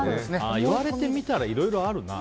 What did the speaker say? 言われてみたらいろいろあるな。